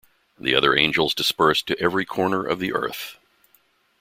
The other angels dispersed to every corner of the Earth.